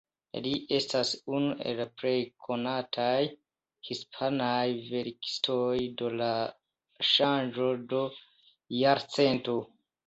Li estas unu el la plej konataj hispanaj verkistoj de la ŝanĝo de jarcento.